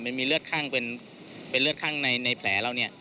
มันมีเลือดคั่งเป็นเป็นเลือดคั่งในในแผลเราเนี้ย